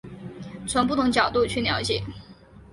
从不同角度去了解